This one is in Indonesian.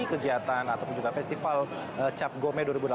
kegiatan ataupun juga festival cap gome dua ribu delapan belas